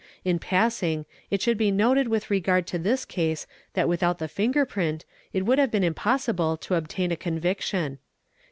In passing it should be noted with regard to this case that without the finger print it would have been impossible to obtain a conviction.